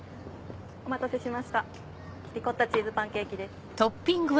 お待たせしましたリコッタチーズパンケーキです。